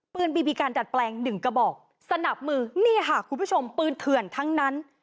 บีบีกันดัดแปลงหนึ่งกระบอกสนับมือนี่ค่ะคุณผู้ชมปืนเถื่อนทั้งนั้น